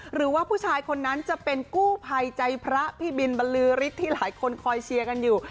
หรือว่าผู้ชายคนนั้นจะเป็นกู้ภัยใจพระพี่บินบรรลือฤทธิ์ที่หลายคนคอยเชียร์กันอยู่